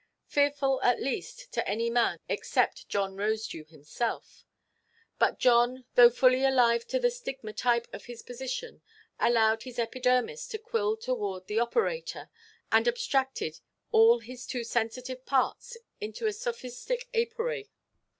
Fearful, at least, to any man except John Rosedew himself; but John, though fully alive to the stigmotype of his position, allowed his epidermis to quill toward the operator, and abstracted all his too sensitive parts into a Sophistic apory.